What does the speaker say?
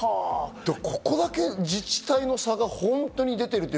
ここだけ自治体の差が本当に出てる。